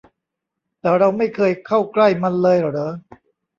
แต่เราไม่เคยเข้าใกล้มันเลยเหรอ ?